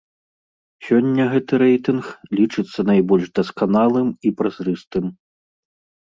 Сёння гэты рэйтынг лічыцца найбольш дасканалым і празрыстым.